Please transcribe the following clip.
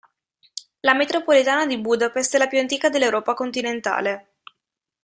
La metropolitana di Budapest è la più antica dell'Europa continentale.